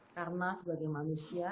karena sebagai manusia